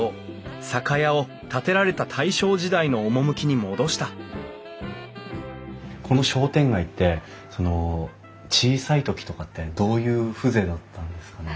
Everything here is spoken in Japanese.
酒屋を建てられた大正時代の趣に戻したこの商店街って小さい時とかってどういう風情だったんですか？